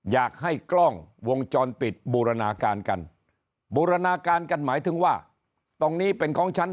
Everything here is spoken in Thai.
อยากให้กล้องวงจรปิดบูรณาการกันบูรณาการกันหมายถึงว่าตรงนี้เป็นของชั้น